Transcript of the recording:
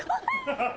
ハハハ！